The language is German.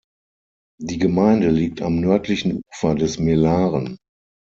Die Gemeinde liegt am nördlichen Ufer des Mälaren.